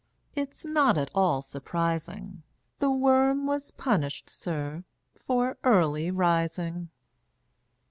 it's not at all surprising; The worm was punished, sir, for early rising!"